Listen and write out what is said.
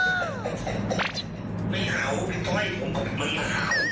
เดี๋ยวพี่เอาน้ำอุ่นให้